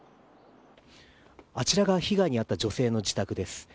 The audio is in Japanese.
あちらが被害に遭った女性の自宅です。